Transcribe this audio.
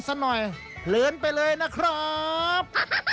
สักหน่อยเลินไปเลยนะครับ